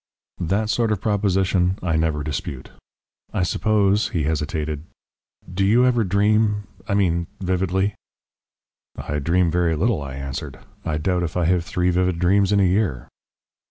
That sort of proposition I never dispute. "I suppose " he hesitated. "Do you ever dream? I mean vividly." "I dream very little," I answered. "I doubt if I have three vivid dreams in a year."